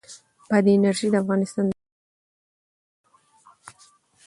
بادي انرژي د افغانستان د شنو سیمو ښکلا ده.